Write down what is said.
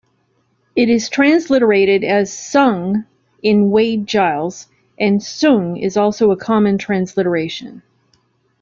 It is transliterated as Sung in Wade-Giles, and Soong is also a common transliteration.